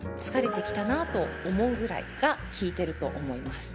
疲れてきたなと思うぐらいが効いてると思います。